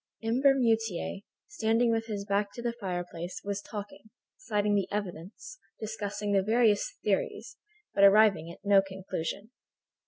M. Bermutier, standing with his back to the fireplace, was talking, citing the evidence, discussing the various theories, but arriving at no conclusion.